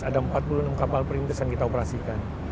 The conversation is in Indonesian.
ada empat puluh enam kapal perintis yang kita operasikan